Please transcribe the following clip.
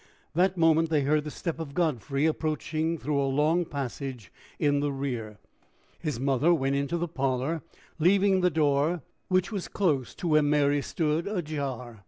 That moment they heard the step of Godfrey approaching through a long passage in the rear. His mother went into the parlor, leaving the door, which was close to where Mary stood, ajar.